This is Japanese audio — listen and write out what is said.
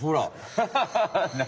ハハハハな？